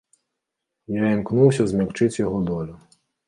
Я імкнуўся змякчыць яго долю.